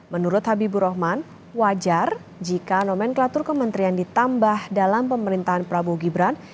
menurut habibur rahman wajar jika nomenklatur kementerian ditambah dalam pemerintahan prabowo gibran